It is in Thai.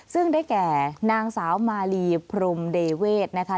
ซึ่งได้แก่นางสาวมาลีพรมเดเวทนะคะ